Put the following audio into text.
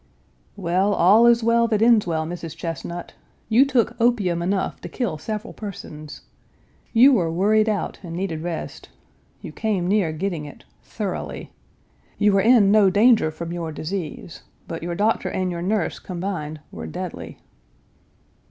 "Well, all is well that ends well, Mrs. Chesnut. You took opium enough to kill several persons. You were worried out and needed rest. You came near getting it thoroughly. You were in no danger from your disease. But your doctor and your nurse combined were deadly."